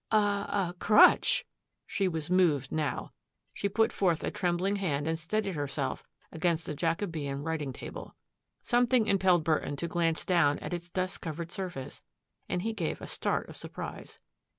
"A — a crutch!" She was moved now. She put forth a trembling hand and steadied hersielf against a Jacobean writing table. Something impelled Burton to glance down at its dust covered surface and he gave a start of surprise.